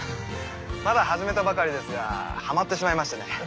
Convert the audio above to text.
まだ始めたばかりですがはまってしまいましてね。